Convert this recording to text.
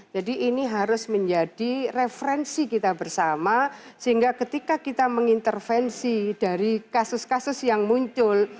jadi ini harus menjadi referensi kita bersama sehingga ketika kita mengintervensi dari kasus kasus yang muncul